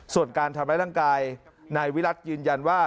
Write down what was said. ส่วนการทำร้ายร่างกายนายวิรัติยืนยันว่า